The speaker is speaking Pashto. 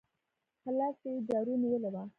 په لاس کې يې جارو نيولې وه.